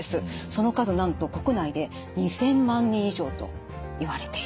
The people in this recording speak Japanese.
その数なんと国内で２，０００万人以上といわれています。